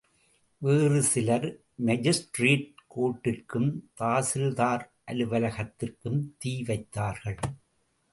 வேறு சிலர் மாஜிஸ்ரேட் கோர்ட்டிற்கும், தாசில்தார் அலுவலகத்திற்கும் தீ வைத்தார்கள்.